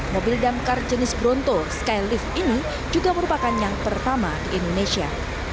mobil damkar jenis bronto skylift ini juga merupakan yang pertama di indonesia